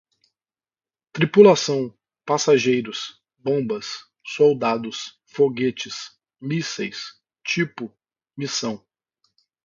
Tripulação, passageiros, bombas, soldados, foguetes, mísseis, tipo, missão